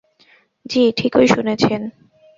জ্বি, ঠিকই শুনেছেন।